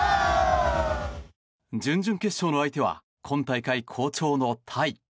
準々決勝の相手は今大会好調のタイ。